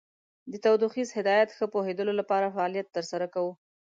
د تودوخیز هدایت ښه پوهیدلو لپاره فعالیت تر سره کوو.